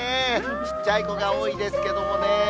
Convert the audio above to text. ちっちゃい子が多いですけれどもね。